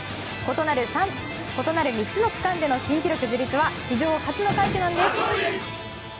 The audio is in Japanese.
異なる３つの区間での新記録樹立は史上初の快挙なんです。